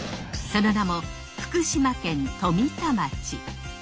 その名も福島県富田町。